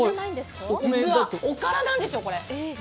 実はおからなんですよ、これ。